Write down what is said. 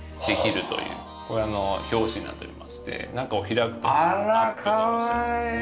これは表紙になっておりまして中を開くとアップのお写真ですね。